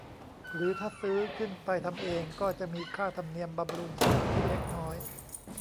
หรือถ้าซื้อขึ้นไปทำเองก็จะมีค่าธรรมเนียมบำรุงสถานที่เล็กน้อย